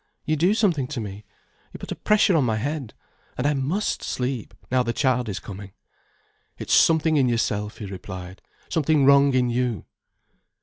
You do something to me, you put a pressure on my head. And I must sleep, now the child is coming." "It's something in yourself," he replied, "something wrong in you."